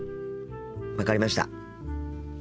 分かりました。